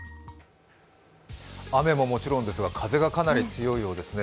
雨ももちろんですが風がかなり強いようですね。